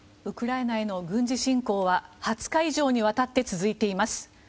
ウクライナへの軍事侵攻は２０日以上にわたって続いています。